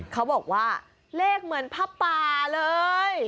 เขาบอกว่าเลขเหมือนผ้าป่าเลย